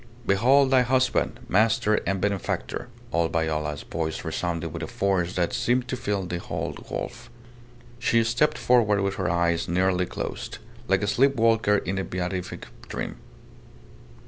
"Behold thy husband, master, and benefactor." Old Viola's voice resounded with a force that seemed to fill the whole gulf. She stepped forward with her eyes nearly closed, like a sleep walker in a beatific dream.